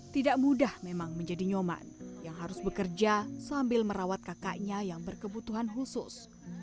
tidak mudah memang menjadi nyoman yang harus bekerja sambil merawat kakaknya yang berkebutuhan khusus